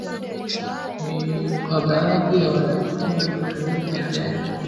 ni kwa baadhi ya wanatumia nyumba za kukodi